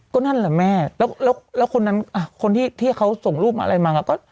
ก็นั่นแหละแม่แล้วแล้วคนนั้นคนที่เขาส่งรูปอะไรมาก็